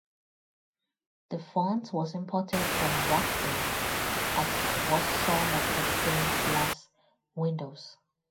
The font was imported from Wacton, as was some of the stained glass windows.